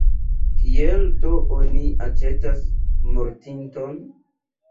Kiel do oni aĉetas mortinton?